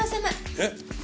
えっ？